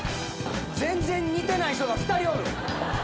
全然似てない人が２人おる。